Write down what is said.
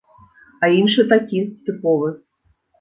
А іншы такі, тыповы.